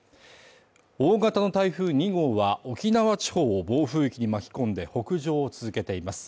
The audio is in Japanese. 大型の台風２号は沖縄地方を暴風域に巻き込んで北上を続けています。